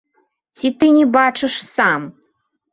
Ці ты не бачыш сам?